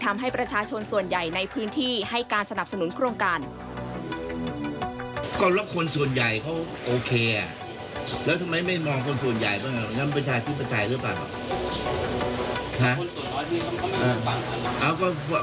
นั่นมันประชาชนิดประชาหรือเปล่า